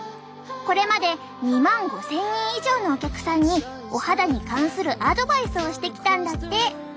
これまで２万５，０００人以上のお客さんにお肌に関するアドバイスをしてきたんだって。